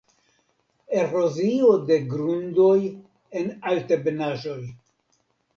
Erozio de grundoj en altebenaĵoj.